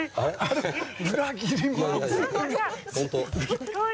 裏切り者。